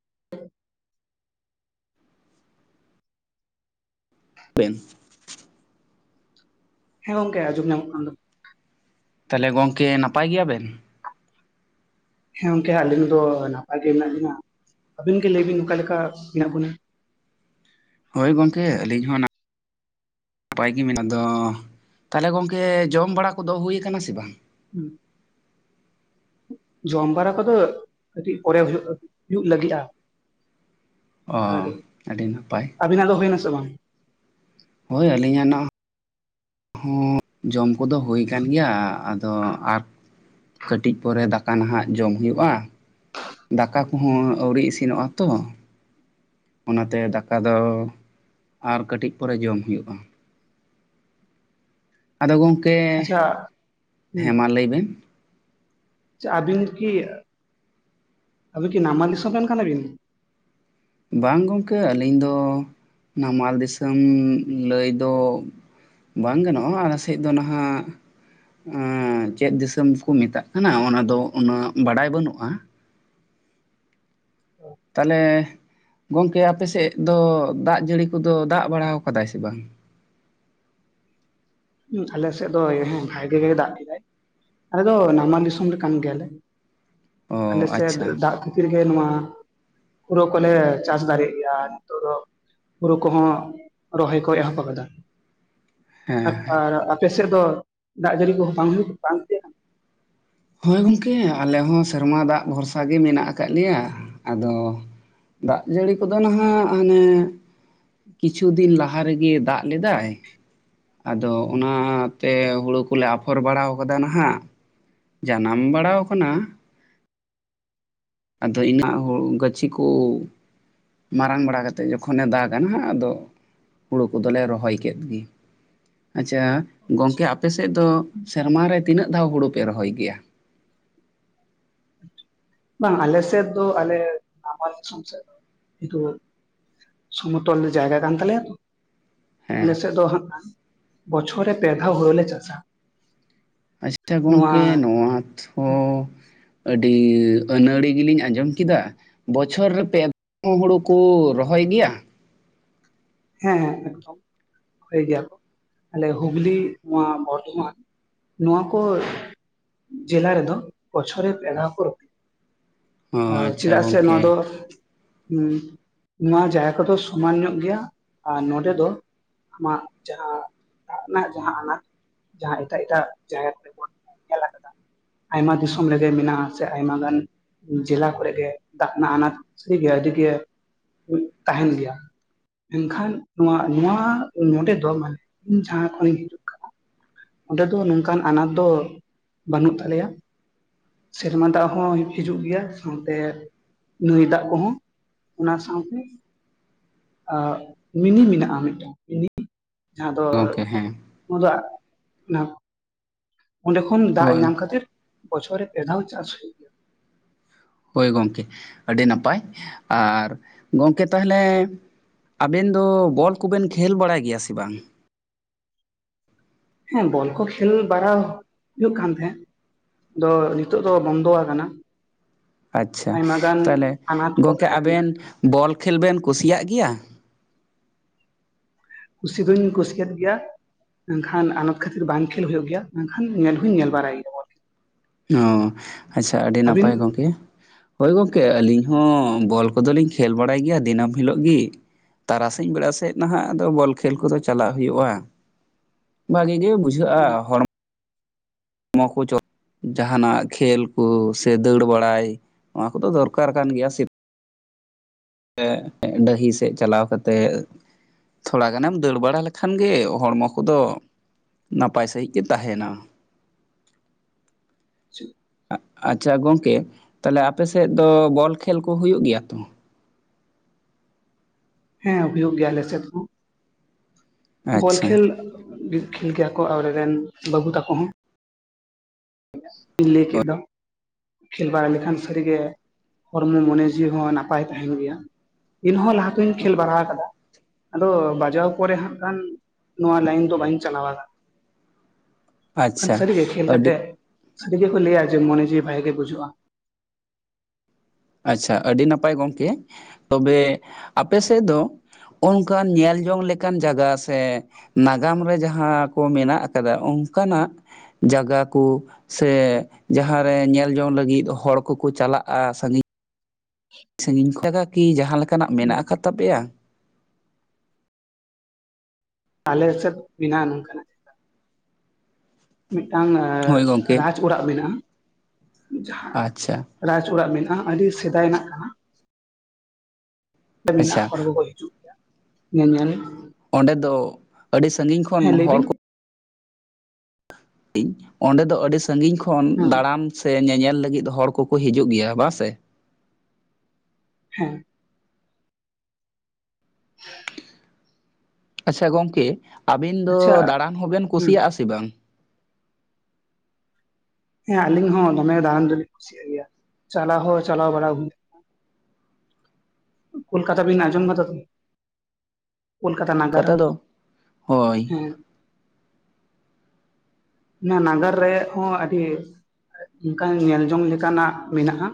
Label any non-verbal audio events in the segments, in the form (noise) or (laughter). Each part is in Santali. (unintelligible) (unintelligible) ᱦᱮᱸ ᱜᱚᱝᱠᱮ ᱟᱡᱚᱢ ᱧᱟᱢᱚᱜ ᱠᱟᱱᱟ ᱛᱟᱦᱞᱮ ᱜᱚᱝᱠᱮ ᱱᱟᱯᱟᱭ ᱜᱮᱭᱟ ᱵᱤᱱ? ᱦᱮᱸ ᱜᱚᱝᱠᱮ ᱟᱹᱞᱤᱧ ᱫᱚ ᱱᱟᱯᱟᱭ ᱜᱮ ᱢᱮᱱᱟᱜ ᱞᱤᱧᱟ, ᱟᱵᱤᱱ ᱜᱮ ᱞᱟᱹᱭ ᱵᱤᱱ ᱚᱠᱟ ᱞᱮᱠᱟ ᱢᱮᱱᱟᱜ ᱵᱤᱱᱟ? ᱦᱳᱭ ᱜᱚᱝᱠᱮ ᱟᱹᱞᱤᱧ ᱦᱚᱸ (unintelligible) ᱱᱟᱯᱟᱭ ᱜᱮ ᱢᱮᱱᱟᱜ ᱟᱫᱚ ᱛᱟᱦᱚᱞᱮ ᱜᱚᱝᱠᱮ ᱡᱚᱢ ᱵᱟᱲᱟ ᱠᱚᱫᱚ ᱦᱩᱭ ᱟᱠᱟᱱᱟ ᱥᱮ ᱵᱟᱝ? ᱦᱩᱸ᱾ ᱡᱚᱢ ᱵᱟᱨᱟ ᱠᱚᱫᱚ ᱠᱟᱹᱴᱤᱡ ᱯᱚᱨᱮ ᱦᱩᱭᱩᱜ ᱦᱩᱭᱩᱜ ᱞᱟᱹᱜᱤᱜᱼᱟ᱾ ᱚᱻ ᱟᱹᱰᱤ ᱱᱟᱯᱟᱭ ᱾ ᱟᱵᱤᱱᱟᱜ ᱫᱚ ᱦᱩᱭᱮᱱᱟ ᱥᱮ ᱵᱟᱝ? ᱦᱳᱭ ᱟᱹᱞᱤᱧᱟᱜ ᱱᱟᱜᱼᱼ ᱦᱚᱸ ᱡᱚᱢ ᱠᱚᱫᱚ ᱦᱩᱭ ᱠᱟᱱ ᱜᱮᱭᱟ ᱟᱫᱚ ᱟᱨ ᱠᱟᱹᱴᱤᱡ ᱯᱚᱨᱮ ᱫᱟ ᱠᱟ ᱱᱟᱦᱟᱜ ᱡᱚᱢ ᱦᱩᱭᱩᱜᱼᱟ, ᱫᱟᱠᱟ ᱠᱚᱦᱚᱸ ᱟᱹᱣᱨᱤ ᱤᱥᱤᱱᱚᱜᱼᱟ ᱛᱚ ᱾ ᱚᱱᱟᱛᱮ ᱫᱟᱠᱟ ᱫᱚ ᱟᱨ ᱠᱟᱹᱴᱤᱡ ᱯᱚᱨᱮ ᱡᱚᱢ ᱦᱩᱭᱩᱜᱼᱟ ᱾ ᱟᱫᱚ ᱜᱚᱝᱠᱮᱻ ᱟᱪᱪᱷᱟ ᱦᱮᱸ ᱢᱟ ᱞᱟᱹᱭ ᱵᱮᱱ ᱾ ᱟᱵᱤᱱ ᱠᱤ ᱟᱵᱤᱱ ᱠᱤ ᱱᱟᱢᱟᱞ ᱫᱤᱥᱚᱢ ᱨᱮᱱ ᱠᱟᱱᱟ ᱵᱤᱱ? ᱵᱟᱝ ᱜᱚᱢᱠᱮ ᱟᱹᱞᱤᱧ ᱫᱚ ᱱᱟᱢᱟᱞ ᱫᱤᱥᱚᱢ ᱞᱟᱹᱭ ᱫᱚ ᱵᱟᱝ ᱜᱟᱱᱚᱜᱼᱟ ᱟᱞᱮ ᱥᱮᱫ ᱫᱚ ᱱᱟᱦᱟᱜ ᱼᱼ ᱪᱮᱫ ᱫᱤᱥᱚᱢ ᱠᱚ ᱢᱮᱛᱟᱜ ᱠᱟᱱᱟ ᱚᱱᱟ ᱫᱚ ᱩᱱᱟᱹᱜ ᱵᱟᱰᱟᱭ ᱵᱟᱹᱱᱩᱜᱼᱟ ᱾ ᱛᱟᱦᱚᱞᱮ ᱜᱚᱝᱠᱮ ᱟᱯᱮ ᱥᱮᱫ ᱫᱚ ᱫᱟᱜ ᱡᱟᱹᱲᱤ ᱠᱚ ᱫᱚ ᱫᱟᱜ ᱵᱟᱲᱟ ᱠᱟᱫᱟᱭ ᱥᱮ ᱵᱟᱝ? ᱟᱞᱮᱥᱮᱫ ᱫᱚ ᱦᱮᱸ ᱵᱷᱟᱜᱤ ᱜᱮᱭ ᱫᱟᱜ ᱠᱮᱫᱟᱭ ᱾ ᱟᱞᱮ ᱫᱚ ᱱᱟᱢᱟᱞ ᱫᱤᱥᱚᱢ ᱨᱮ ᱠᱟᱹᱢᱤ ᱜᱮᱭᱟᱞᱮ ᱚ ᱟᱞᱮ ᱥᱮᱫ ᱟᱪᱪᱷᱟ ᱫᱟᱜ ᱼᱼ ᱠᱷᱟᱹᱛᱤᱨ ᱜᱮ ᱱᱚᱣᱟ ᱦᱩᱲᱩ ᱠᱚᱞᱮ ᱪᱟᱥ ᱫᱟᱨᱮᱭᱟᱜ ᱜᱮᱭᱟ ᱱᱤᱛᱚᱜ ᱫᱚ ᱾ ᱦᱩᱨᱩ ᱠᱚᱦᱚᱸ ᱨᱚᱦᱚᱭ ᱠᱚ ᱮᱦᱚᱵ ᱟᱠᱟᱫᱟ ᱾ ᱦᱮᱸ ᱟᱨ ᱟᱯᱮ ᱥᱮᱫ ᱫᱚ ᱫᱟᱜ ᱡᱟᱹᱲᱤ ᱠᱚᱦᱚᱸ ᱵᱟᱝ ᱦᱩᱭᱩᱜᱼᱟ? ᱦᱳᱭ ᱜᱚᱢᱠᱮ ᱟᱞᱮ ᱦᱚᱸ ᱥᱮᱨᱢᱟ ᱫᱟᱜ ᱵᱷᱚᱨᱥᱟ ᱜᱮ ᱢᱮᱱᱟᱜ ᱟᱠᱟᱫ ᱞᱮᱭᱟ, ᱟᱫᱚ ᱼᱼ ᱫᱟᱜ ᱡᱟᱹᱲᱤ ᱠᱚ ᱫᱚ ᱱᱟᱦᱟᱜ ᱦᱟᱱᱮ ᱼᱼ ᱠᱤᱪᱷᱩ ᱫᱤᱱ ᱞᱟᱦᱟ ᱨᱮᱜᱮ ᱫᱟᱜ ᱞᱮᱫᱟᱭ ᱾ ᱟᱫᱚ ᱚᱱᱟᱛᱮ ᱦᱳᱲᱳ ᱠᱚ ᱞᱮ ᱟᱯᱷᱚᱨ ᱵᱟᱲᱟ ᱠᱟᱫᱟ ᱱᱟᱦᱟᱜ ᱾ ᱡᱟᱱᱟᱢ ᱵᱟᱲᱟᱣ ᱟᱠᱟᱱᱟ ᱾ ᱟᱫᱚ ᱤᱱᱟᱹᱜ ᱦᱩᱲᱩ ᱜᱟᱹᱪᱷᱤ ᱠᱚ ᱼᱼ ᱢᱟᱨᱟᱝ ᱵᱟᱲᱟ ᱠᱟᱛᱮᱫ ᱡᱚᱠᱷᱚᱱᱮ ᱫᱟᱜᱟ ᱱᱟᱜ ᱟᱫᱚ ᱼᱼ ᱦᱩᱲᱩ ᱠᱚᱫᱚ ᱞᱮ ᱨᱚᱦᱚᱭ ᱠᱮᱫ ᱜᱮ ᱾ ᱟᱪᱪᱷᱟ ᱜᱚᱝᱠᱮ ᱟᱯᱮ ᱥᱮᱫ ᱫᱚ ᱥᱮᱨᱢᱟᱨᱮ ᱛᱤᱱᱟᱹᱜ ᱫᱷᱟᱣ ᱦᱩᱲᱩ ᱯᱮ ᱨᱚᱦᱚᱭ ᱜᱮᱭᱟ? ᱵᱟᱝ ᱟᱞᱮ ᱥᱮᱫ ᱫᱚ ᱟᱞᱮ ᱱᱟᱢᱟᱞ ᱫᱤᱥᱚᱢ ᱥᱮᱫ ᱫᱚ (unintelligible) ᱥᱚᱢᱚᱛᱚᱞ ᱡᱟᱭᱜᱟ ᱠᱟᱱ ᱛᱟᱞᱮᱭᱟ ᱛᱚ ᱾ ᱟᱞᱮ ᱦᱮᱸ ᱥᱮᱫ ᱫᱚ ᱦᱟᱸᱜ ᱵᱚᱪᱷᱚᱨ ᱨᱮ ᱯᱮ ᱫᱷᱟᱣ ᱦᱩᱲᱩ ᱞᱮ ᱪᱟᱥᱟ ᱾ ᱟᱪᱪᱷᱟ ᱜᱚᱝᱠᱮ ᱱᱚᱣᱟᱛ (unintelligible) ᱟᱹᱰᱤ ᱟᱹᱱᱟᱲᱤ ᱜᱮᱞᱤᱧ ᱟᱸᱡᱚᱢ ᱠᱮᱫᱟ᱾ ᱵᱚᱪᱷᱚᱨ ᱨᱮ ᱯᱮ (unintelligible) ᱦᱩᱲᱩ ᱠᱩ ᱨᱚᱦᱚᱭ ᱜᱮᱭᱟ? ᱦᱮᱸ ᱦᱮᱸ ᱮᱠᱫᱚᱢ ᱨᱚᱦᱚᱭ ᱜᱮᱭᱟ ᱠᱚ᱾ ᱟᱞᱮ ᱦᱩᱜᱽᱞᱤ ᱱᱚᱣᱟ ᱵᱚᱨᱫᱷᱚᱢᱟᱱ ᱱᱚᱣᱟ ᱠᱚ ᱼᱼ ᱡᱮᱞᱟ ᱨᱮᱫᱚ ᱵᱚᱪᱷᱚᱨ ᱨᱮ ᱯᱮ ᱫᱷᱟᱣ ᱠᱚ ᱨᱚᱦᱚᱭᱟ ᱾ ᱚ ᱟᱪᱪᱷᱟ ᱪᱮᱫᱟᱜ ᱥᱮ ᱱᱚᱣᱟ ᱫᱚ ᱜᱚᱝᱠᱮ ᱼᱼ ᱩᱸ ᱱᱚᱣᱟ ᱡᱟᱭᱜᱟ ᱠᱚᱫᱚ ᱥᱚᱢᱟᱱ ᱧᱚᱜ ᱜᱮᱭᱟ ᱟᱨ ᱱᱚᱰᱮ ᱫᱚ ᱼᱼ ᱟᱢᱟᱜ ᱡᱟᱦᱟᱸ ᱫᱟᱜ ᱨᱮᱱᱟᱜ ᱡᱟᱦᱟᱸ ᱟᱱᱟᱴ ᱼᱼ ᱡᱟᱦᱟᱸ ᱮᱴᱟᱜ ᱮᱴᱟᱜ ᱡᱟᱭᱜᱟ ᱠᱚᱨᱮ ᱵᱚᱱ ᱧᱮᱞ ᱟᱠᱟᱫᱟ ᱼᱼ ᱟᱭᱢᱟ ᱫᱤᱥᱚᱢ ᱞᱮᱜᱮ ᱢᱮᱱᱟᱜᱼᱟ ᱥᱮ ᱟᱭᱢᱟ ᱜᱟᱱ ᱼᱼ ᱡᱮᱞᱟ ᱠᱚᱨᱮ ᱜᱮ ᱫᱟᱜ ᱨᱮᱱᱟᱜ ᱟᱱᱟᱴ ᱥᱟᱹᱨᱤᱜᱮ ᱟᱹᱰᱤᱜᱮ ᱦᱩᱭᱩᱜ ᱛᱟᱦᱮᱱ ᱜᱮᱭᱟ᱾ ᱢᱮᱱᱠᱷᱟᱱ ᱱᱚᱣᱟ ᱱᱚᱣᱟ ᱱᱚᱸᱰᱮ ᱫᱚ ᱢᱟᱱᱮ ᱤᱧ ᱡᱟᱦᱟᱸ ᱠᱷᱚᱱᱤᱧ ᱦᱤᱡᱩᱜ ᱼᱼ ᱚᱸᱰᱮ ᱫᱚ ᱱᱚᱝᱠᱟᱱ ᱟᱱᱟᱴ ᱫᱚ ᱵᱟᱹᱱᱩᱜ ᱛᱟᱞᱮᱭᱟ᱾ ᱥᱮᱨᱢᱟ ᱫᱟᱜ ᱦᱚᱸ ᱦᱤᱡᱩᱜ ᱜᱮᱭᱟ᱾ ᱥᱟᱶᱛᱮ ᱼᱼ ᱱᱟᱹᱭ ᱫᱟᱜ ᱠᱚᱦᱚᱸ ᱚᱱᱟ ᱥᱟᱶᱛᱮ ᱼᱼ ᱟᱨ ᱢᱤᱱᱤ ᱢᱮᱱᱟᱜᱼᱟ ᱢᱤᱫᱴᱟᱝ ᱢᱤᱱᱤ ᱡᱟᱦᱟᱸ ᱫᱚ ᱜᱚᱝᱠᱮ ᱦᱮᱸ ᱧᱩ ᱫᱟᱜ ᱼᱼ ᱚᱱᱟ ᱚᱸᱰᱮ ᱠᱷᱚᱱ ᱫᱟᱜ ᱦᱳᱭ ᱧᱟᱢ ᱠᱷᱟᱹᱛᱤᱨ ᱵᱚᱪᱷᱚᱨ ᱨᱮ ᱯᱮ ᱫᱷᱟᱣ ᱪᱟᱥ ᱦᱩᱭᱩᱜᱼᱟ ᱾ ᱦᱳᱭ ᱜᱚᱝᱠᱮ ᱟᱹᱰᱤ ᱱᱟᱯᱟᱭ ᱟᱨ ᱜᱚᱝᱠᱮ ᱛᱟᱦᱞᱮ ᱼᱼ ᱟᱵᱮᱱ ᱫᱚ ᱵᱚᱞ ᱠᱚᱵᱮᱱ ᱠᱷᱮᱞ ᱵᱟᱲᱟᱭ ᱜᱮᱭᱟ ᱥᱮ ᱵᱟᱝ? ᱦᱮᱸ ᱵᱚᱞ ᱠᱚ ᱠᱷᱮᱞ ᱵᱟᱲᱟ ᱦᱩᱭᱩᱜ ᱠᱟᱱ ᱛᱟᱦᱮᱸᱜ᱾ ᱫᱚ ᱱᱤᱛᱚᱜ ᱫᱚ ᱵᱚᱱᱫᱚ ᱣᱟᱠᱟᱱᱟ᱾ ᱟᱪᱷᱟ ᱛᱟᱦᱞᱮ ᱟᱱᱟᱴ ᱠᱚ ᱜᱚᱝᱠᱮ ᱛᱟᱦᱮᱸ ᱠᱟᱱ ᱟᱵᱮᱱ ᱠᱷᱟᱹᱛᱤᱨ ᱵᱚᱞ ᱠᱷᱮᱞ ᱵᱮᱱ ᱠᱩᱥᱤᱭᱟᱜ ᱜᱮᱭᱟ? ᱠᱩᱥᱤ ᱫᱚᱧ ᱠᱩᱥᱤᱭᱟᱫ ᱜᱮᱭᱟ᱾ ᱢᱮᱱᱠᱷᱟᱱ ᱟᱱᱟᱴ ᱠᱷᱟᱹᱛᱤᱨ ᱵᱟᱝ ᱠᱷᱮᱞ ᱦᱳᱭᱳᱜ ᱜᱮᱭᱟ, ᱢᱮᱱᱠᱷᱟᱱ ᱧᱮᱞ ᱦᱚᱸᱧ ᱧᱮᱞ ᱵᱟᱲᱟᱭ ᱜᱮᱭᱟ᱾ ᱵᱚᱞ ᱠᱷᱮᱞ᱾ ᱚ ᱟᱪᱷᱟ ᱟᱹᱰᱤ ᱟᱹᱵᱤᱱ ᱱᱟᱯᱟᱭ ᱜᱚᱝᱠᱮ᱾ ᱦᱳᱭ ᱜᱚᱝᱠᱮ ᱟᱹᱞᱤᱧ ᱦᱚᱸ ᱵᱚᱞ ᱠᱚᱫᱚᱞᱤᱧ ᱠᱷᱮᱞ ᱵᱟᱲᱟᱭ ᱜᱮᱭᱟ ᱫᱤᱱᱟᱹᱢ ᱦᱤᱞᱳᱜ ᱜᱤ᱾ ᱛᱟᱨᱟᱥᱤᱧ ᱵᱮᱲᱟ ᱥᱮᱫ ᱱᱟᱦᱟᱜ ᱟᱫᱚ ᱵᱚᱞ ᱠᱷᱮᱞ ᱠᱚᱫᱚ ᱪᱟᱞᱟᱜ ᱦᱩᱭᱩᱜᱼᱟ᱾ ᱵᱷᱟᱜᱤ ᱜᱮ ᱵᱩᱡ ᱡᱷᱟᱹᱜᱼᱟ ᱦᱚᱲᱢ ᱢᱚ ᱠᱚ ᱪᱚ ᱡᱟᱦᱟᱱᱟᱜ ᱠᱷᱮᱞ ᱠᱚ ᱥᱮ ᱫᱟᱹᱲ ᱵᱟᱲᱟᱭ ᱱᱚᱣᱟ ᱠᱚᱫᱚ ᱫᱚᱨᱠᱟᱨ ᱠᱟᱱ ᱜᱮᱭᱟ ᱥᱮ ᱛᱮᱜ ᱰᱟᱹᱦᱤ ᱥᱮᱜ ᱪᱟᱞᱟᱣ ᱠᱟᱛᱮᱜ ᱛᱷᱚᱲᱟ ᱜᱟᱱᱮᱢ ᱫᱟᱹᱲ ᱵᱟᱲᱟ ᱞᱮᱠᱷᱟᱱ ᱜᱮ ᱦᱚᱲᱢᱚ ᱠᱚᱫᱚ ᱱᱟᱯᱟᱭ ᱥᱟᱺᱦᱤᱡ ᱜᱮ ᱛᱟᱦᱮᱱᱟ (inaudible) ᱟᱪᱷᱟ ᱜᱚᱝᱠᱮ ᱛᱟᱦᱞᱮ ᱟᱯᱮ ᱥᱮᱜ ᱫᱚ ᱵᱚᱞ ᱠᱷᱮᱞ ᱠᱚ ᱦᱩᱭᱩᱜ ᱜᱮᱭᱟ ᱦᱮᱸ ᱦᱩᱭᱩᱜ ᱜᱮᱭᱟ ᱟᱞᱮᱥᱮᱫ ᱦᱚᱸ ᱵᱚᱞ ᱟᱪᱪᱷᱟ ᱠᱷᱮᱞ ᱵᱤᱜ ᱠᱷᱮᱞ ᱜᱮᱭᱟ ᱠᱚ ᱟᱞᱮ ᱨᱮᱱ ᱵᱟᱹᱵᱩ ᱛᱟᱠᱚ ᱦᱚᱸ᱾ ᱤᱧ ᱞᱟᱹᱭ ᱠᱮᱜ ᱫᱚ ᱠᱷᱮᱞ ᱵᱟᱲᱟ ᱞᱮᱠᱷᱟᱱ ᱥᱟᱹᱨᱤᱜᱮ ᱦᱚᱲᱢᱚ ᱢᱚᱱᱮ ᱡᱤᱣᱤ ᱦᱚᱸ ᱱᱟᱯᱟᱭ ᱛᱟᱦᱮᱱ ᱜᱮᱭᱟ᱾ ᱤᱱᱦᱚᱸ ᱞᱟᱦᱟᱛᱮᱧ ᱠᱷᱮᱞ ᱵᱟᱨᱟᱣ ᱠᱟᱫᱟ᱾ ᱟᱫᱚ ᱵᱟᱡᱟᱣ ᱯᱚᱨᱮ ᱦᱟᱸᱜ ᱠᱷᱟᱱ ᱱᱚᱣᱟ ᱞᱟᱭᱤᱱ ᱫᱚ ᱵᱟᱹᱧ ᱪᱟᱞᱟᱣ ᱠᱷᱟᱱ ᱟᱪᱪᱷᱟ ᱥᱟᱹᱨᱤᱜᱮ ᱠᱷᱮᱞ ᱟᱹᱰᱤ ᱠᱟᱛᱮᱜ ᱥᱟᱹᱨᱤ ᱜᱮᱠᱚ ᱞᱟᱹᱭᱟ ᱡᱮ ᱢᱚᱱᱮ ᱡᱤᱣᱤ ᱵᱷᱟᱜᱮ ᱜᱮ ᱵᱩᱡᱷᱟᱹᱜᱼᱟ᱾ ᱟᱪᱷᱟ ᱟᱹᱰᱤ ᱱᱟᱯᱟᱭ ᱜᱚᱝᱠᱮ ᱛᱚᱵᱮ ᱟᱯᱮ ᱥᱮᱜ ᱫᱚ ᱚᱝᱠᱟᱱ ᱧᱮᱞ ᱡᱚᱝ ᱞᱮᱠᱟᱱ ᱡᱟᱜᱟ ᱥᱮ ᱱᱟᱜᱟᱢ ᱨᱮ ᱡᱟᱦᱟᱸ ᱠᱚ ᱢᱮᱱᱟᱜ ᱟᱠᱟᱫᱟ ᱚᱝᱠᱟᱱᱟᱜ ᱡᱟᱜᱟ ᱠᱩ ᱥᱮ ᱡᱟᱦᱟᱸ ᱨᱮ ᱧᱮᱞ ᱡᱚᱝ ᱞᱟᱹᱜᱤᱜ ᱦᱚᱲ ᱠᱚᱠᱚ ᱪᱟᱞᱟᱜᱼᱟ, ᱥᱟᱺᱜᱤᱧ (inaudible) ᱥᱟᱺᱜᱤᱧ ᱠᱷᱚᱜᱟ ᱠᱤ ᱡᱟᱦᱟᱸ ᱞᱮᱠᱟᱱᱟᱜ ᱢᱮᱱᱟᱜ ᱟᱠᱟᱫ ᱛᱟᱯᱮᱭᱟ? ᱟᱞᱮ ᱥᱮᱫ ᱢᱮᱱᱟᱜᱼᱟ ᱱᱚᱝᱠᱟᱱᱟᱜ᱾ ᱢᱤᱜᱴᱟᱝ ᱦᱳᱭ ᱜᱚᱝᱠᱮ ᱨᱟᱡᱽ ᱚᱲᱟᱜ ᱢᱮᱱᱟᱜᱼᱟ, ᱡᱟᱦᱟᱸ ᱟᱪᱪᱷᱟ ᱨᱟᱡᱽ ᱚᱲᱟᱜ ᱢᱮᱱᱟᱜᱼᱟ ᱟᱹᱰᱤ ᱥᱮᱫᱟᱭᱱᱟᱜ ᱠᱟᱱᱟ ᱢᱮᱱᱟᱜ ᱟ ᱟᱪᱪᱷᱟ ᱦᱚᱲ ᱠᱚᱠᱚ ᱦᱤᱡᱩᱜ (unintelligible) ᱧᱮᱧᱮᱞ ᱚᱸᱰᱮ ᱫᱚ ᱟᱹᱰᱤ ᱥᱟᱺᱜᱤᱧ ᱠᱷᱚᱱ ᱦᱮᱸ ᱞᱟᱹᱭ ᱦᱚᱲ ᱵᱤᱱ ᱠᱚ ᱤᱧ ᱚᱸᱰᱮ ᱫᱚ ᱟᱹᱰᱤ ᱥᱟᱺᱜᱤᱧ ᱠᱷᱚᱱ ᱦᱮᱸ ᱫᱟᱬᱟᱱ ᱥᱮ ᱧᱮᱧᱮᱞ ᱞᱟᱹᱜᱤᱫ ᱦᱚᱲ ᱠᱚᱠᱚ ᱦᱤᱡᱩᱜ ᱜᱮᱭᱟ ᱵᱟ ᱥᱮ ᱦᱮᱸ (inaudible) ᱟᱪᱪᱷᱟ ᱜᱚᱝᱠᱮ ᱟᱵᱤᱱ ᱫᱚ ᱟᱪᱪᱷᱟ ᱫᱟᱬᱟᱱ ᱦᱚᱸᱵᱮᱱ ᱦᱮᱸ ᱠᱩᱥᱤᱭᱟᱜᱼᱟ ᱥᱮ ᱵᱟᱝ ᱦᱮᱸ ᱟᱞᱤᱧ ᱦᱚᱸ ᱫᱚᱢᱮ ᱫᱟᱬᱟᱱ ᱫᱚᱞᱤᱧ ᱠᱩᱥᱤᱭᱟᱜ ᱜᱮᱭᱟ ᱪᱟᱞᱟᱣ ᱦᱚᱸ ᱪᱟᱞᱟᱣ ᱵᱟᱲᱟ ᱦᱩᱭ ᱠᱳᱞᱠᱟᱛᱟ ᱵᱤᱱ ᱱᱟᱡᱚᱢ ᱠᱟᱫᱟ ᱛᱚ ᱠᱳᱞᱠᱟᱛᱟ ᱱᱟᱜᱟᱨ ᱠᱟᱛᱷᱟ ᱫᱚ ᱦᱳᱭ ᱦᱮᱸ ᱚᱱᱟ ᱱᱟᱜᱟᱨ ᱨᱮ ᱦᱚᱸ ᱟᱹᱰᱤ ᱚᱱᱠᱟᱱ ᱧᱮᱞ ᱡᱚᱝ ᱞᱮᱠᱟᱱᱟᱜ ᱢᱮᱱᱟᱜᱼᱟ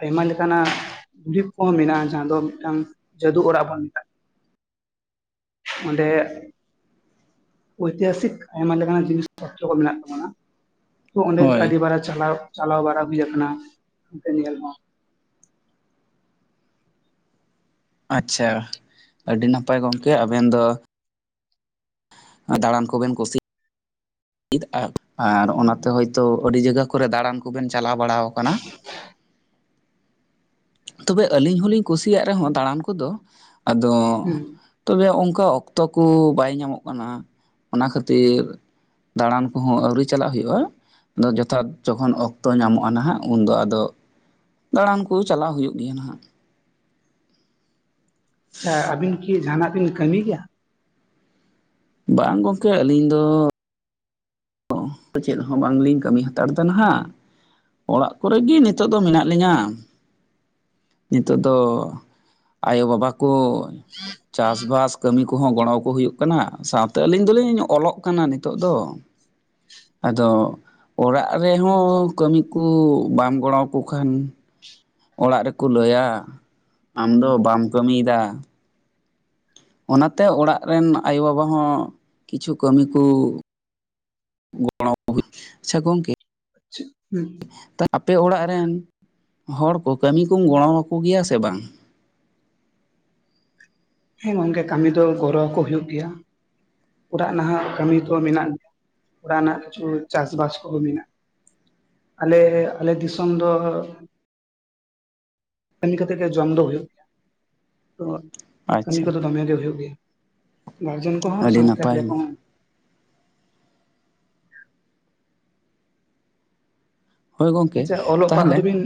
ᱟᱭᱢᱟ ᱞᱮᱠᱟᱱᱟᱜ ᱫᱩᱨᱤᱵ ᱠᱚᱦᱚᱸ ᱢᱮᱱᱟᱜᱼᱟ ᱡᱟᱦᱟᱸ ᱫᱚ ᱢᱤᱫᱴᱟᱝ ᱡᱟᱹᱫᱩ ᱚᱲᱟᱜ ᱵᱚᱱ ᱢᱮᱛᱟᱜᱼᱟ ᱚᱸᱰᱮ ᱳᱭᱛᱤᱦᱟᱥᱤᱠ ᱟᱭᱢᱟ ᱞᱮᱠᱟᱱ ᱡᱤᱱᱤᱥ ᱯᱚᱛᱨᱚ ᱠᱚ ᱢᱮᱱᱟᱜ ᱛᱟᱵᱚᱱᱟ ᱛᱚ ᱚᱸᱰᱮ ᱦᱳᱭ ᱟᱹᱰᱤᱵᱟᱨᱟ ᱪᱟᱞᱟᱣ ᱪᱟᱞᱟᱣ ᱵᱟᱲᱟ ᱦᱩᱭ ᱟᱠᱟᱱᱟᱛᱮ ᱧᱮᱞ ᱦᱚᱸ ᱟᱪᱪᱷᱟ ᱟᱹᱰᱤ ᱱᱟᱯᱟᱭ ᱜᱚᱢᱠᱮ ᱟᱵᱮᱱ ᱫᱚ ᱫᱟᱬᱟᱱ ᱠᱚᱵᱮᱱ ᱠᱩᱥᱤᱟᱜ (unintelligible) ᱟᱨ ᱚᱱᱟᱛᱮ ᱦᱳᱭᱛᱳ ᱟᱹᱰᱤ ᱡᱟᱭᱜᱟ ᱠᱚᱨᱮ ᱫᱟᱬᱟᱱ ᱠᱚᱵᱮᱱ ᱪᱟᱞᱟᱣ ᱵᱟᱲᱟ ᱟᱠᱟᱱᱟ ᱛᱚᱵᱮ ᱟᱹᱞᱤᱧ ᱦᱚᱞᱤᱧ ᱠᱩᱥᱤᱭᱟᱜ ᱨᱮᱦᱚᱸ ᱫᱟᱬᱟᱱ ᱠᱚᱫᱚ ᱟᱫᱚ ᱦᱩᱸ ᱛᱚᱵᱮ ᱚᱱᱠᱟ ᱚᱠᱛᱚ ᱠᱚ ᱵᱟᱭ ᱧᱟᱢᱚᱜ ᱠᱟᱱᱟ ᱚᱱᱟ ᱠᱷᱟᱹᱛᱤᱨ ᱫᱟᱬᱟᱱ ᱠᱚᱦᱚᱸ ᱟᱹᱣᱨᱤ ᱪᱟᱞᱟᱜ ᱦᱩᱭᱩᱜᱼᱟ ᱟᱫᱚ ᱡᱚᱛᱷᱟᱛ ᱡᱚᱠᱷᱚᱱ ᱚᱠᱛᱚ ᱧᱟᱢᱚᱜᱼᱟ ᱱᱟᱦᱟᱜ ᱩᱱᱫᱚ ᱟᱫᱚ ᱫᱟᱬᱟᱱ ᱠᱚ ᱪᱟᱞᱟᱣ ᱦᱩᱭᱩᱜ ᱜᱮᱭᱟ ᱱᱟᱦᱟᱜ ᱟᱪᱪᱷᱟ ᱟᱹᱵᱤᱱ ᱠᱤ ᱡᱟᱦᱟᱸᱱᱟᱜ ᱵᱤᱱ ᱠᱟᱹᱢᱤᱭ ᱜᱮᱭᱟ ᱵᱟᱝ ᱜᱚᱢᱠᱮ ᱟᱹᱞᱤᱧ ᱫᱚ ᱪᱮᱫ ᱦᱚᱸ ᱵᱟᱝᱞᱤᱧ ᱠᱟᱹᱢᱤ ᱦᱟᱛᱟᱲ ᱮᱫᱟ ᱱᱟᱦᱟᱜ ᱚᱲᱟᱜ ᱠᱚᱨᱮ ᱜᱮ ᱱᱤᱛᱚᱜ ᱫᱚ ᱢᱮᱱᱟᱜ ᱞᱤᱧᱟᱹ ᱱᱤᱛᱳᱜ ᱫᱚ ᱟᱭᱳ ᱵᱟᱵᱟ ᱠᱚ ᱪᱟᱥᱵᱟᱥ ᱠᱟᱹᱢᱤ ᱠᱚ ᱠᱩᱦᱚᱸ ᱜᱚᱲᱚ ᱟᱠᱠᱚ ᱦᱩᱭᱩᱜ ᱠᱟᱱᱟ ᱥᱟᱶᱛᱮ ᱟᱹᱞᱤᱧ ᱫᱚᱞᱤᱧ ᱚᱞᱚᱜ ᱠᱟᱱᱟ ᱱᱤᱛᱚᱜ ᱫᱚ ᱟᱫᱚ ᱚᱲᱟᱜ ᱨᱮᱦᱚᱸ ᱠᱟᱹᱢᱤ ᱠᱚ ᱵᱟᱢ ᱜᱚᱲᱚᱣ ᱟᱠᱚ ᱠᱷᱟᱱ ᱚᱲᱟᱜ ᱨᱮᱠᱚ ᱞᱟᱹᱭᱟ ᱟᱢ ᱫᱚ ᱵᱟᱢ ᱠᱟᱹᱢᱤᱭ ᱮᱫᱟ ᱚᱱᱟᱛᱮ ᱚᱲᱟᱜ ᱨᱮᱱ ᱟᱭᱳ ᱵᱟᱵᱟ ᱦᱚᱸ ᱠᱤᱪᱷᱩ ᱠᱟᱹᱢᱤ ᱠᱚ ᱜᱚᱲᱚ ᱦᱩᱭ ᱟᱪᱪᱷᱟ ᱜᱚᱢᱠᱮ ᱟᱪᱪᱷᱟ ᱦᱩᱸ ᱟᱯᱮ ᱚᱲᱟᱜ ᱨᱮᱱ ᱦᱚᱲ ᱠᱚ ᱠᱟᱹᱢᱤ ᱠᱚᱢ ᱜᱚᱲᱚ ᱟᱠᱚ ᱜᱮᱭᱟ ᱥᱮ ᱵᱟᱝ ᱦᱮᱸ ᱜᱚᱝᱠᱮ ᱠᱟᱹᱢᱤ ᱫᱚ ᱜᱚᱨᱚ ᱟᱠᱚ ᱦᱩᱭᱩᱜ ᱜᱮᱭᱟ ᱚᱲᱟᱜ ᱱᱟᱦᱟᱜ ᱠᱟᱹᱢᱤ ᱫᱚ ᱢᱮᱱᱟᱜ ᱜᱮᱭᱟ ᱚᱲᱟᱜ ᱨᱮᱱᱟᱜ ᱠᱤᱪᱷᱩ ᱪᱟᱥ ᱵᱟᱥ ᱠᱚᱦᱚᱸ ᱢᱮᱱᱟᱜ ᱟᱞᱮ ᱟᱞᱮ ᱫᱤᱥᱚᱢ ᱫᱚ ᱠᱟᱹᱢᱤ ᱠᱟᱛᱮ ᱜᱮ ᱡᱚᱢ ᱫᱚ ᱦᱩᱭᱩᱜ ᱜᱮᱭᱟ ᱛᱚ ᱠᱟᱹᱢᱤ ᱟᱪᱪᱷᱟ ᱠᱚᱫᱚ ᱫᱚᱢᱮᱜ ᱜᱮ ᱦᱩᱭᱩᱜ ᱜᱮᱭᱟ ᱜᱟᱨᱡᱮᱱ ᱠᱚᱦᱚᱸ ᱟᱹᱰᱤ ᱥᱟᱶᱛᱮ ᱟᱞᱮ ᱱᱟᱯᱟᱭ ᱠᱚᱦᱚᱸ ᱦᱳᱭ ᱜᱚᱢᱠᱮ ᱟᱪᱪᱷᱟ ᱚᱞᱚᱜ ᱯᱟᱲᱦᱟᱣ ᱛᱟᱦᱚᱞᱮ ᱫᱚᱵᱤᱱ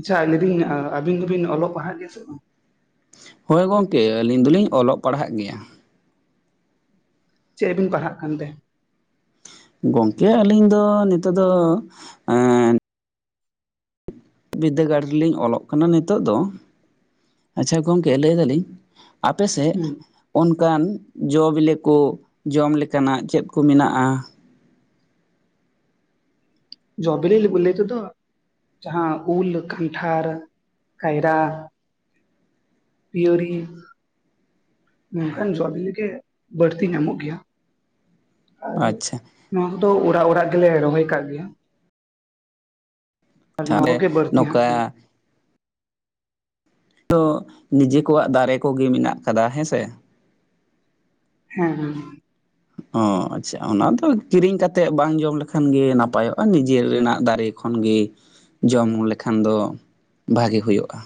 ᱟᱪᱪᱷᱟ ᱞᱟᱹᱭᱮᱫᱤᱧ ᱟᱵᱤᱱ ᱫᱚᱵᱤᱱ ᱚᱞᱚᱜ ᱯᱟᱲᱦᱟᱜ ᱜᱮᱭᱟ ᱥᱮ ᱵᱟᱝ ᱦᱳᱭ ᱜᱚᱝᱠᱮ ᱟᱹᱞᱤᱧ ᱫᱚᱞᱤᱧ ᱚᱞᱚᱜ ᱯᱟᱲᱦᱟᱜ ᱜᱮᱭᱟ ᱪᱮᱫᱵᱤᱱ ᱯᱟᱲᱦᱟᱜ ᱠᱟᱱ ᱛᱮ ᱜᱚᱝᱠᱮ ᱟᱹᱞᱤᱧ ᱫᱚ ᱱᱤᱛᱚᱜ ᱫᱚ ᱮᱸ.... ᱵᱤᱫᱽᱫᱟᱹᱜᱟᱲ ᱨᱮᱞᱤᱧ ᱚᱞᱚᱜ ᱠᱟᱱᱟ ᱱᱤᱛᱚᱜ ᱫᱚ ᱟᱪᱪᱷᱟ ᱜᱚᱝᱠᱮ ᱞᱟᱹᱭ ᱮ ᱫᱟᱞᱤᱧ ᱟᱯᱮ ᱥᱮᱫ ᱦᱩᱸ ᱚᱱᱠᱟᱱ ᱡᱚ ᱵᱤᱞᱤ ᱠᱚ ᱡᱚᱢ ᱞᱮᱠᱟᱱᱟᱜ ᱪᱮᱫ ᱠᱚ ᱢᱮᱱᱟᱜ-ᱟ ᱡᱚᱵᱤᱞ ᱞᱟᱹᱭ ᱛᱮᱫᱚ ᱡᱟᱦᱟᱸ ᱩᱞ ᱠᱟᱱᱴᱷᱟᱲ ᱠᱟᱭᱨᱟ ᱯᱤᱭᱟᱹᱨᱤ ᱱᱚᱝᱠᱟᱱ ᱡᱚ ᱵᱤᱞᱤ ᱜᱮ ᱵᱟᱹᱲᱛᱤ ᱧᱟᱢᱚᱜ ᱜᱮᱭᱟ ᱟᱨ ᱟᱪᱪᱷᱟ ᱱᱚᱣᱟ ᱠᱚᱫᱚ ᱚᱲᱟᱜ ᱚᱲᱟᱜ ᱜᱮᱞᱮ ᱨᱚᱦᱚᱭ ᱟᱠᱟᱟᱜ ᱜᱮᱭᱟ ᱟᱨ ᱱᱚᱣᱟ ᱛᱟᱦᱚᱞᱮ ᱠᱚᱜᱮ ᱵᱟᱹᱲᱛᱤ ᱦᱟᱸᱜ ᱠᱟᱱᱟ ᱱᱚᱝᱠᱟ ᱛᱚ ᱱᱤᱡᱮ ᱠᱚᱣᱟᱜ ᱫᱟᱨᱮ ᱠᱚᱜᱮ ᱢᱮᱱᱟᱜ ᱟᱠᱟᱫᱟ ᱦᱮᱸ ᱥᱮ ᱦᱮᱸ ᱦᱮᱸ ᱚ ᱟᱪᱪᱷᱟ ᱚᱱᱟ ᱫᱚ ᱠᱤᱨᱤᱧ ᱠᱟᱛᱮᱜ ᱵᱟᱝ ᱡᱚᱢ ᱞᱮᱠᱷᱟᱱ ᱜᱮ ᱱᱟᱯᱟᱭᱚᱜ-ᱟ ᱱᱤᱡᱮᱨ ᱨᱮᱱᱟᱜ ᱫᱟᱨᱮ ᱛᱚᱠᱷᱚᱱ ᱜᱮ ᱡᱚᱢ ᱞᱮᱠᱷᱟᱱ ᱫᱚ ᱵᱷᱟᱜᱮ ᱦᱩᱭᱩᱜᱼᱟ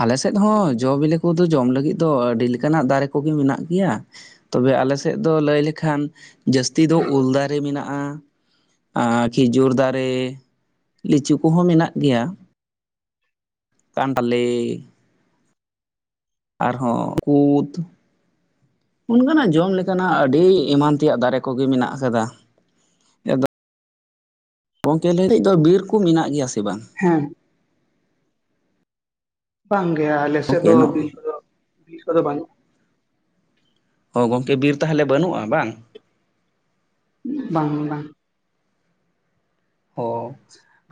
ᱟᱞᱮ ᱥᱮᱫ ᱦᱚᱸ ᱡᱚ ᱵᱤᱞᱤ ᱠᱚᱫᱚ ᱡᱚᱢ ᱞᱟᱹᱜᱤᱫ ᱫᱚ ᱟᱹᱰᱤ ᱞᱮᱠᱟᱱᱟᱜ ᱫᱟᱨᱮ ᱠᱚᱜᱮ ᱢᱮᱱᱟᱜ ᱜᱮᱭᱟ ᱛᱚᱵᱮ ᱟᱞᱮ ᱥᱮᱫ ᱫᱚ ᱞᱟᱹᱭ ᱞᱮᱠᱷᱟᱱ ᱡᱟᱹᱥᱛᱤ ᱫᱚ ᱩᱞ ᱫᱟᱨᱮ ᱢᱮᱱᱟᱜ ᱟᱨ ᱠᱷᱤᱡᱩᱨ ᱫᱟᱨᱮ ᱞᱤᱪᱩ ᱠᱚᱦᱚᱸ ᱢᱮᱱᱟᱜ ᱜᱮᱭᱟ ᱠᱟᱱᱴᱟᱞᱮ ᱟᱨᱦᱚᱸ ᱠᱩᱫ ᱚᱱᱠᱟᱱᱟᱜ ᱡᱚᱢ ᱞᱮᱠᱟᱱᱟᱜ ᱟᱹᱰᱤ ᱮᱢᱟᱱ ᱛᱮᱭᱟᱜ ᱫᱟᱨᱮ ᱠᱚᱜᱮ ᱢᱮᱱᱟᱜ ᱟᱠᱟᱫᱟ ᱜᱚᱢᱠᱮ ᱞᱮᱸᱮᱡ ᱫᱚ ᱵᱤᱨ ᱠᱚ ᱢᱮᱱᱟᱜ ᱜᱮᱭᱟ ᱥᱮ ᱵᱟᱝ? ᱦᱮᱸ ᱵᱟᱝ ᱜᱮᱮ ᱟᱞᱮᱥᱮᱫ ᱜᱚᱝᱠᱮ ᱫᱚ ᱱᱚ ᱵᱤᱞ ᱠᱚᱫᱚ ᱵᱤᱞ ᱠᱚᱫᱚ ᱵᱟᱹᱱᱩᱜ-ᱟ ᱚ ᱜᱚᱝᱠᱮ ᱵᱤᱨ ᱛᱟᱦᱚᱞᱮ ᱵᱟᱹᱱᱩᱜ-ᱟ ᱵᱟᱝ ᱵᱟᱝ ᱵᱟᱝ ᱚ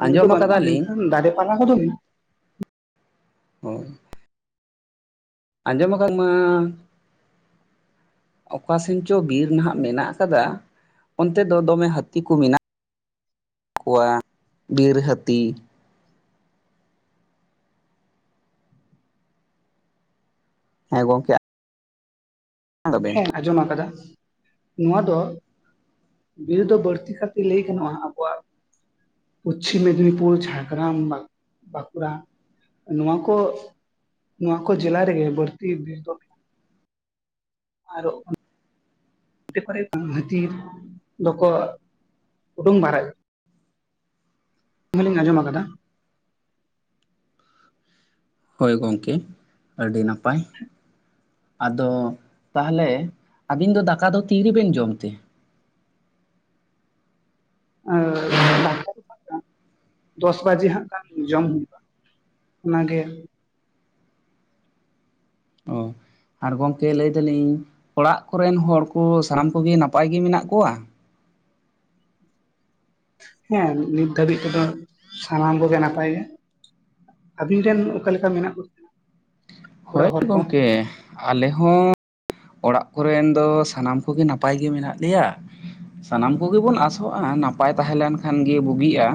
ᱩᱱᱟᱜ ᱫᱚ ᱟᱸᱡᱚᱢ ᱵᱟᱹᱱᱩᱜ-ᱟ ᱟᱠᱟᱫᱟᱞᱤᱧ ᱢᱮᱱᱠᱷᱟᱱ ᱫᱟᱨᱮ ᱯᱟᱞᱟ ᱠᱚ ᱫᱚ ᱢᱮᱱᱟᱜᱼᱟ ᱦᱳᱭ ᱟᱡᱟᱢᱠᱟᱢ ᱢᱟ ᱚᱠᱟ ᱥᱮᱱ ᱪᱚ ᱵᱤᱨ ᱱᱟᱦᱟᱜ ᱢᱮᱱᱟᱜ ᱟᱠᱟᱫᱟ ᱚᱱᱛᱮ ᱫᱚ ᱫᱚᱢᱮ ᱦᱟᱹᱛᱤ ᱠᱚ ᱢᱮᱱᱟᱜ-ᱟ ᱠᱚᱣᱟ ᱵᱤᱨ ᱦᱟᱹᱛᱤ ᱦᱮᱸ ᱜᱚᱝᱠᱮ ᱵᱮᱱ ᱦᱮᱸ ᱟᱸᱡᱚᱢ ᱟᱠᱟᱫᱟ ᱱᱚᱣᱟ ᱫᱚ ᱵᱤᱨ ᱫᱚ ᱵᱟᱹᱲᱛᱤ ᱠᱟᱛᱮ ᱞᱟᱹᱭ ᱜᱟᱱᱚᱜ-ᱟ ᱟᱵᱚᱣᱟᱜ ᱯᱚᱥᱪᱷᱤᱢ ᱢᱮᱫᱽᱱᱤᱯᱩᱨ ᱡᱷᱟᱲᱜᱨᱟᱢ ᱵᱟᱸᱠᱩᱲᱟ ᱱᱚᱣᱟ ᱠᱚ ᱱᱚᱣᱟ ᱠᱚ ᱡᱮᱞᱟ ᱨᱮ ᱜᱮ ᱵᱟᱹᱲᱛᱤ ᱟᱨ ᱮ ᱠᱚᱮ ᱵᱟᱝ ᱦᱟᱹᱛᱤ ᱫᱚ ᱠᱚ ᱩᱰᱩᱝ ᱵᱟᱨᱟᱜ ᱜᱮ ᱞᱤᱧ ᱦᱚᱸ ᱞᱤᱧ ᱟᱸᱡᱚᱢ ᱟᱠᱟᱫᱟ ᱦᱳᱭ ᱜᱚᱢᱠᱮ ᱟᱹᱰᱤ ᱱᱟᱯᱟᱭ ᱟᱫᱚ ᱛᱟᱦᱚᱞᱮ ᱟᱵᱤᱱ ᱫᱚ ᱫᱟᱠᱟ ᱫᱚ ᱛᱤ ᱨᱮᱵᱮᱱ ᱡᱚᱢ ᱛᱮ ᱮ ᱫᱚᱥ ᱵᱟᱡᱮ ᱦᱟᱸᱜ ᱡᱚᱢ ᱦᱩᱭᱩᱜ-ᱟ ᱚᱱᱟ ᱜᱮ ᱚ ᱟᱨ ᱜᱚᱢᱠᱮ ᱞᱟᱹᱭ ᱮᱫᱟ ᱞᱤᱧ ᱚᱲᱟᱜ ᱠᱚ ᱨᱮᱱ ᱦᱚᱲᱠᱚ ᱥᱟᱱᱟᱢ ᱠᱚ ᱜᱮ ᱱᱟᱯᱟᱭ ᱜᱮ ᱢᱮᱱᱟᱜ ᱠᱚᱣᱟ ᱦᱮᱸ ᱱᱤᱛ ᱫᱷᱟᱹᱵᱤᱡ ᱛᱮᱫᱚ ᱥᱟᱱᱟᱢ ᱠᱚ ᱜᱮ ᱱᱟᱯᱟᱭ ᱜᱮᱭᱟ ᱟᱵᱤᱱ ᱨᱮᱱ ᱚᱠᱟ ᱞᱮᱠᱟ ᱢᱮᱱᱟᱜ ᱠᱚᱛᱟ ᱦᱳᱭ ᱜᱚᱢᱠᱮ ᱟᱞᱮ ᱦᱚᱸ ᱚᱲᱟᱜ ᱠᱚ ᱨᱮᱱ ᱫᱚ ᱥᱟᱱᱟᱢ ᱠᱚ ᱜᱮ ᱱᱟᱯᱟᱭ ᱜᱮ ᱢᱮᱱᱟᱜ ᱞᱮᱭᱟ ᱥᱟᱱᱟᱢ ᱠᱚ ᱜᱮ ᱵᱚᱱ ᱟᱥᱚᱜ-ᱟ ᱱᱟᱯᱟᱭ ᱛᱟᱦᱮᱸ ᱞᱮᱱᱠᱷᱟᱱ ᱜᱮ ᱵᱩᱜᱤᱜ-ᱟ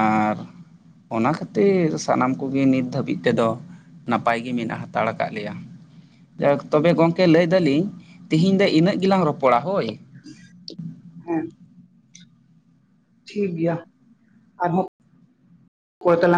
ᱟᱨ ᱚᱱᱟ ᱠᱷᱟᱹᱛᱤᱨ ᱥᱟᱱᱟᱢ ᱠᱚ ᱜᱮ ᱱᱤᱛ ᱫᱷᱟᱹᱵᱤᱡ ᱛᱮᱫᱚ ᱱᱟᱯᱟᱭ ᱜᱮ ᱢᱮᱱᱟᱜ ᱦᱟᱛᱟᱲ ᱟᱠᱟᱫ ᱞᱮᱭᱟ ᱡᱟᱭᱦᱳᱡ ᱛᱚᱵᱮ ᱜᱚᱝᱠᱮ ᱞᱟᱹᱭ ᱫᱟᱞᱤᱧ ᱛᱤᱦᱤᱧ ᱫᱚ ᱤᱱᱟᱹᱜ ᱜᱮᱞᱟᱝ ᱨᱚᱯᱚᱲᱟ ᱦᱳᱭ ᱦᱮᱸ ᱴᱷᱤᱠ ᱜᱮᱭᱟ ᱟᱨ ᱦᱚᱸ ᱯᱚᱨᱮ ᱛᱮᱞᱟᱝ